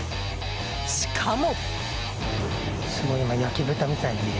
しかも。